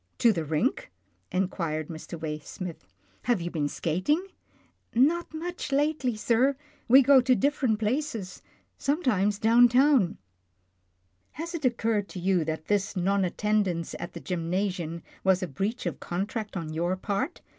" To the rink ?" inquired Mr. Waysmith, " have you been skating ?" iorr3 " Not much lately, sir. We go to different plapfg — sometimes down town." , r " Has it occurred to you that this non attendance at the gymnasium was a breach of contract on your part?